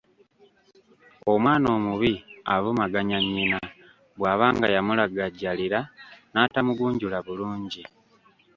Omwana omubi avumaganya nnyina bw’abanga yamulagajjalira n’atamugunjula bulungi.